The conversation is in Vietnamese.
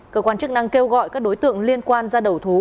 cơ quan chức năng kêu gọi các đối tượng liên quan ra đầu thú